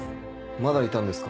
まだいたんですか。